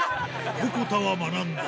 横田は学んだ。